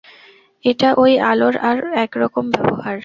এটা ঐ আলোর আর এক-রকম ব্যবহার।